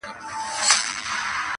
او ذهنونه بوخت ساتي ډېر ژر